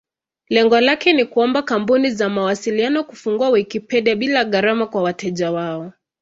Lengo lake ni kuomba kampuni za mawasiliano kufungua Wikipedia bila gharama kwa wateja wao.